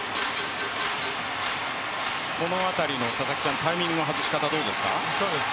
この辺りのタイミングの外し方、どうですか？